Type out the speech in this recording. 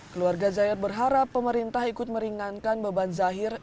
keluarga zahir berharap pemerintah ikut meringankan beban zahir